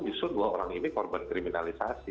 justru dua orang ini korban kriminalisasi